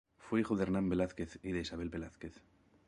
Fue hijo de Hernán Velázquez y de Isabel Velázquez.